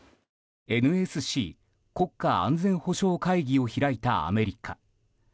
ＮＳＣ・国家安全保障会議を開いたアメリカ。